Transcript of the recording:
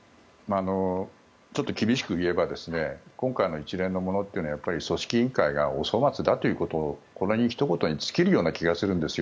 ちょっと厳しく言えば今回の一連のものというのはやっぱり組織委員会がお粗末だということこのひと言に尽きるような気がするんですよ。